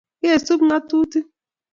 kesup ngatutik